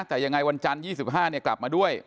แต่ยังไงวันจันทร์๒๕กลับมาด้วย